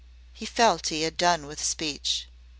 He felt he had done with speech.